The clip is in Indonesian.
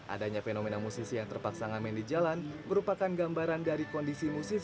adanya fenomena musisi yang terpaksa ngamen di jalan merupakan gambaran dari kondisi musisi